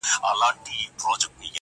ګوندي دا خرابه خونه مو ګلشن شي!!